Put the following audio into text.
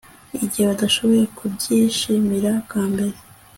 Igihe badashoboye kubyishimira bwa mbere